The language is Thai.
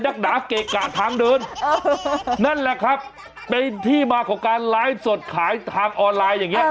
นักหนาเกะกะทางเดินนั่นแหละครับเป็นที่มาของการไลฟ์สดขายทางออนไลน์อย่างนี้